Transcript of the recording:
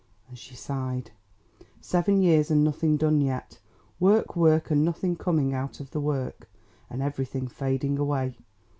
and she sighed. "Seven years and nothing done yet. Work, work, and nothing coming out of the work, and everything fading away.